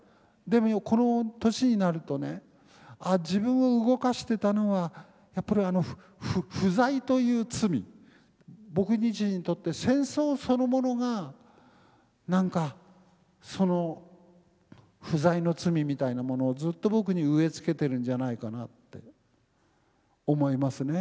でもこの年になるとね自分を動かしてたのはやっぱり不在という罪僕自身にとって戦争そのものが何かその不在の罪みたいなものをずっと僕に植え付けてるんじゃないかなって思いますね。